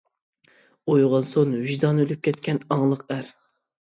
ئويغانسۇن ۋىجدانى ئۆلۈپ كەتكەن «ئاڭلىق» ئەر.